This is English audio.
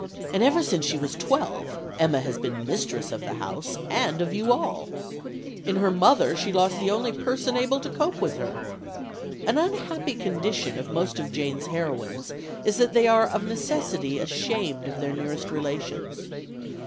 And ever since she was twelve, Emma has been mistress of the house and of you all. In her mother she lost the only person able to cope with her.'" An unhappy condition of most of Jane's heroines is that they are of necessity ashamed of their nearest relations.